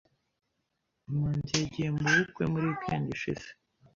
Manzi yagiye mubukwe muri weekend ishize.